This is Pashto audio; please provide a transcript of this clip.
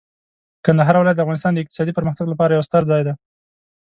کندهار ولایت د افغانستان د اقتصادي پرمختګ لپاره یو ستر ځای دی.